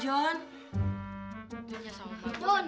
john jangan john